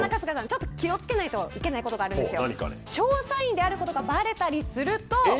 ちょっと気を付けないといけないことがあるんですよ。